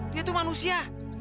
dia itu manusia